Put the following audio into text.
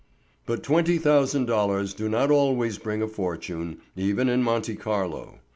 But twenty thousand dollars do not always bring a fortune, even in Monte Carlo.